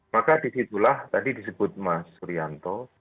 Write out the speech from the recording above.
maka disitulah tadi disebut mas suryanto